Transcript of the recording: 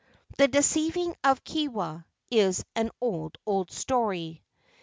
"The Deceiving of Kewa" is an old, old story.